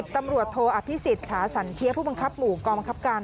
ตำรวจโทอภิษฎาสันเทียผู้บังคับหมู่กองบังคับการ